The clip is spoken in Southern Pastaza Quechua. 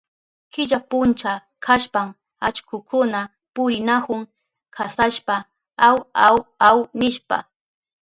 Killa puncha kashpan allkukuna purinahun kasashpa aw, aw, aw nishpa.